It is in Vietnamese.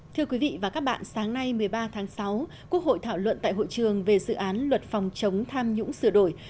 thưa quý vị và các bạn sáng nay một mươi ba tháng sáu quốc hội thảo luận tại hội trường về dự án luật phòng chống tham nhũng sửa đổi